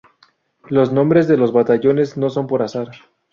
Los nombres de los batallones no son por azar.